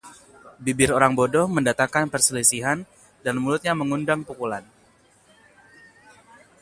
Bibir orang bodoh mendatangkan perselisihan, dan mulutnya mengundang pukulan.